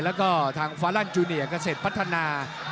แล้วก็ทางฟารั่นจูเนียกาเซธพัฒนา